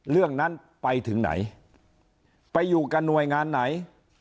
เรื่องนั้นไปถึงไหนไปอยู่กับหน่วยงานไหน